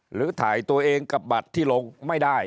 หรือถ่ายตัวเองกับบัตรที่ลงไม่ได้